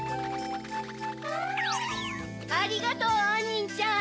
ありがとうあんにんちゃん。